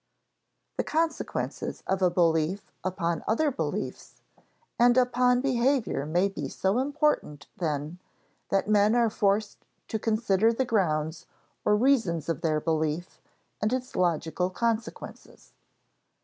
The consequences of a belief upon other beliefs and upon behavior may be so important, then, that men are forced to consider the grounds or reasons of their belief and its logical consequences.